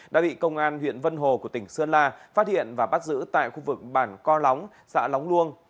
đã bị công an huyện vân hồ của tỉnh sơn la phát hiện và bắt giữ tại khu vực bản co lóng xã lóng luông